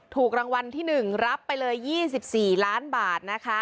ถูกรางวัลที่๑รับไปเลย๒๔ล้านบาทนะคะ